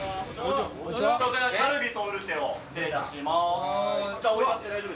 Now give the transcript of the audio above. カルビとウルテ失礼いたします。